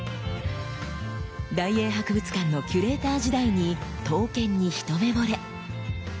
大英博物館のキュレーター時代に刀剣に一目ぼれ。